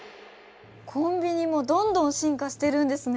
コンビニもどんどん進化してるんですね。